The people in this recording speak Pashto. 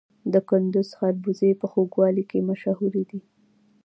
د کندز خربوزې په خوږوالي کې مشهورې دي.